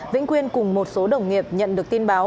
vĩnh quyên cùng một số đồng nghiệp nhận được tin báo